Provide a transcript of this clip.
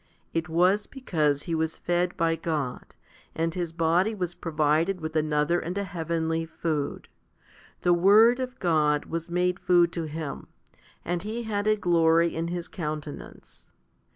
It was because he was fed by God, and his body was provided with another and a heavenly food. The Word of God was made food to him, and he had a glory in his countenance.